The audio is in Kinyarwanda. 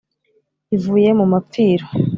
ivuye mu mapfiro,